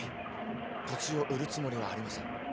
土地を売るつもりはありません。